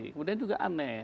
kemudian juga aneh